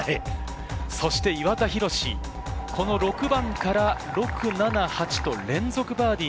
岩田寛、６番から、６、７、８と連続バーディー。